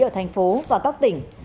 ở tp hcm và các tỉnh